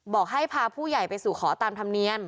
บอกให้พาผู้ใหญ่ไปสู่ขอตามธรรมเนียม